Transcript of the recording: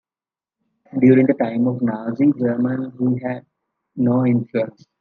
During the time of Nazi Germany he had no influence.